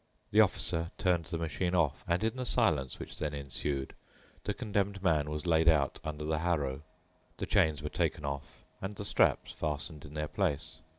The Officer turned the machine off, and in the silence which then ensued the Condemned Man was laid out under the harrow. The chains were taken off and the straps fastened in their place.